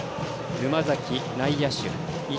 沼崎、内野手。